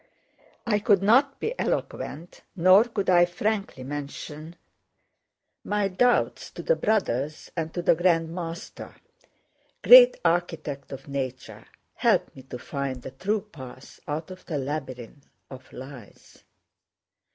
I could not be eloquent, nor could I frankly mention my doubts to the Brothers and to the Grand Master. Great Architect of Nature, help me to find the true path out of the labyrinth of lies!